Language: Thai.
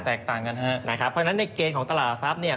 เพราะฉะนั้นในเกณฑ์ของตลาดละทรัพย์